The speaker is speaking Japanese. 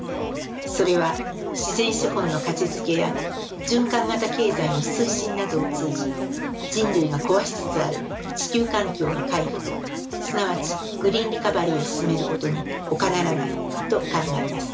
それは自然資本の価値づけや循環型経済の推進などを通じ人類が壊しつつある地球環境の回復すなわちグリーン・リカバリーを進めることにほかならないと考えます。